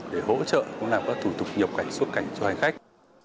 để hỗ trợ cũng làm các thủ tục nhập cảnh xuất cảnh cho hành khách